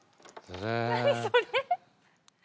何それ。